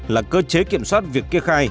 là cơ chế kiểm soát việc kê khai